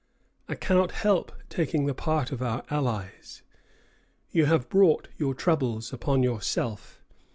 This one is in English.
I cannot help taking the part of our allies. You have brought your troubles upon yourself.